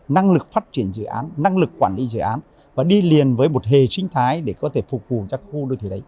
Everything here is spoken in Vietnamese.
năng lực phát triển dự án năng lực quản lý dự án và đi liền với một hề sinh thái để có thể phục vụ các khu đô thị đấy